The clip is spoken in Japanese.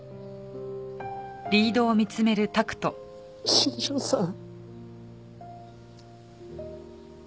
新庄さん。